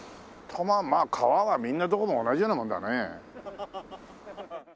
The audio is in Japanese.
多摩まあ川はみんなどこも同じようなもんだね。